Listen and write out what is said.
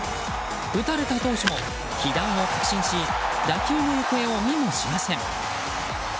打たれた投手も被弾を確信し打球の行方を見もしません。